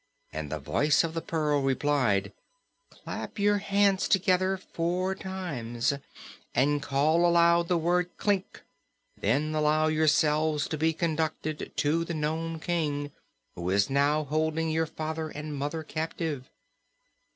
and the Voice of the Pearl replied: "Clap your hands together four times and call aloud the word 'Klik.' Then allow yourselves to be conducted to the Nome King, who is now holding your father and mother captive."